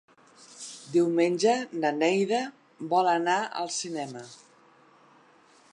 Diumenge na Neida vol anar al cinema.